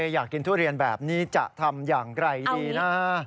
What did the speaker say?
อยากกินทุเรียนแบบนี้จะทำอย่างไรดีนะ